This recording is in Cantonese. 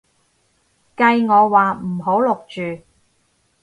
計我話唔好錄住